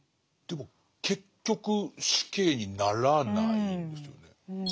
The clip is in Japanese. でも結局死刑にならないんですよね。